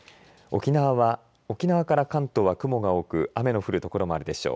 沖縄から関東は雲が多く雨の降る所もあるでしょう。